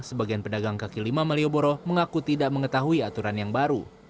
sebagian pedagang kaki lima malioboro mengaku tidak mengetahui aturan yang baru